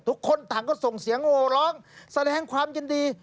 ทุกคนต่างก็ส่งเสียงโหร้องแสดงความยินดี